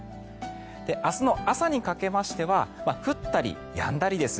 明日の朝にかけましては降ったりやんだりです。